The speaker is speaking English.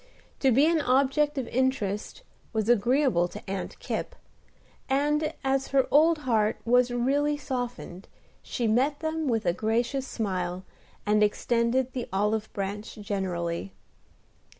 To be an object of interest was agreeable to Aunt Kipp; and, as her old heart was really softened, she met them with a gracious smile, and extended the olive branch generally.